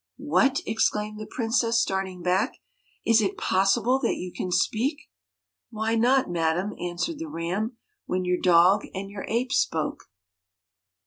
'What!' exclaimed the princess, starting back, 'is it possible that you can speak ?'' Why not, madam,' answered the Ram, 'when your dog and your ape spoke?